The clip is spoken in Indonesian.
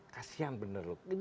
kasian bener loh